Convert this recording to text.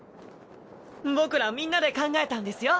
僕らみんなで考えたんですよ。